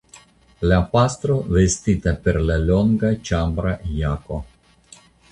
La pastro, vestita per la longa ĉambra jako.